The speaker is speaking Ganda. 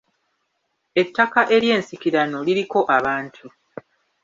Ettaka eryensikirano liriko abantu.